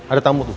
ada tamu tuh